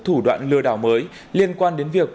thủ đoạn lừa đảo mới liên quan đến việc